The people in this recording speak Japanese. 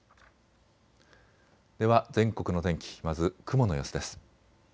では全国の天気、まず雲の様子です。